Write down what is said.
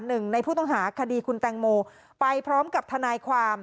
หนึ่งในผู้ต้องหาคดีคุณแตงโมไปพร้อมกับทนายความ